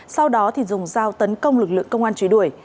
sau đó dùng dao tấn công lực lượng công an trúy đuổi